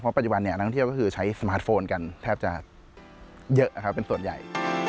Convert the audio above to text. ปัจจุบันนักท่องเที่ยวก็คือใช้สมาร์ทโฟนกันแทบจะเยอะครับเป็นส่วนใหญ่